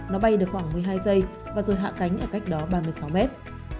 nó bay được khoảng một mươi hai giây và rồi hạ cánh ở cách đó ba mươi sáu mét